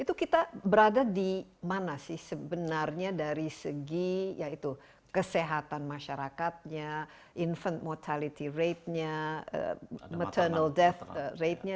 itu kita berada di mana sih sebenarnya dari segi yaitu kesehatan masyarakatnya infant mortality ratenya maternal death ratenya